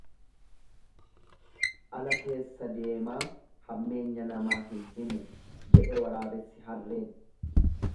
Ala keessa deemaa hammeenya namaa himu jedhe waraabessi harreen.